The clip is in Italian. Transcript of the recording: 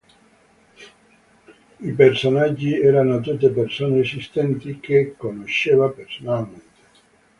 I personaggi erano tutte persone esistenti, che conosceva personalmente.